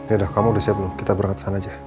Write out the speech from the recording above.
ya udah kamu udah siap belum kita berangkat ke sana aja